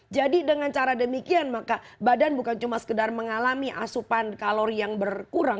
jadi dengan cara demikian maka badan bukan cuma sekedar mengalami asupan kalori yang berkurang